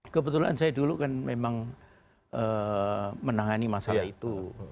kebetulan saya dulu kan memang menangani masalah itu